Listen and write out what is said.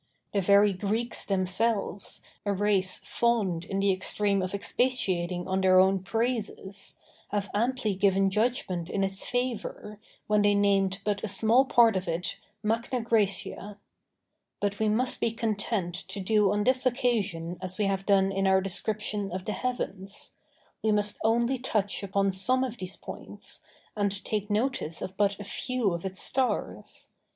The very Greeks themselves, a race fond in the extreme of expatiating on their own praises, have amply given judgment in its favor, when they named but a small part of it 'Magna Græcia.' But we must be content to do on this occasion as we have done in our description of the heavens; we must only touch upon some of these points, and take notice of but a few of its stars.